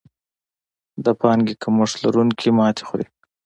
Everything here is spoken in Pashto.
د پانګې کمښت لرونکي ماتې خوري.